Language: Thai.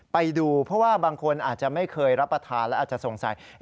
ไปดูเพราะว่าบางคนอาจจะไม่เคยรับประทานและอาจจะสงสัย